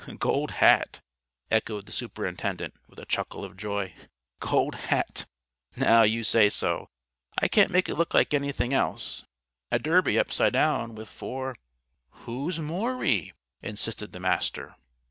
"Gold Hat!" echoed the Superintendent, with a chuckle of joy. "Gold Hat! Now you say so, I can't make it look like anything else. A derby, upside down, with four " "Who's Maury?" insisted the Master.